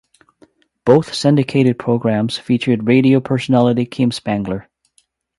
Both syndicated programs featured radio personality Kim Spangler.